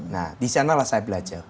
nah disanalah saya belajar